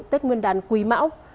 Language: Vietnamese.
tết nguyên đán quý mão